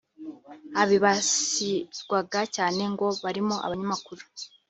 Abibasirwaga cyane ngo barimo abanyamakuru